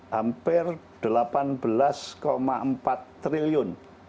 hampir delapan belas empat triliun